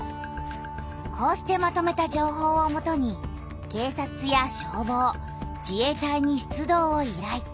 こうしてまとめた情報をもとに警察や消防自衛隊に出動を依頼。